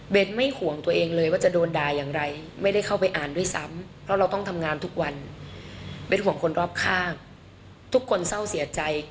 เบสไม่ห่วงตัวเองเลยว่าจะโดนด่ายอย่างไร